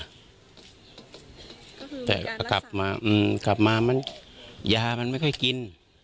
ก็คือการรักษาแต่กลับมาอืมกลับมามันยามันไม่ค่อยกิน